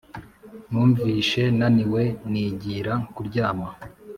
numvishe naniwe nigira kuryama